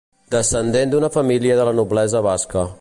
Descendent d'una família de la noblesa basca.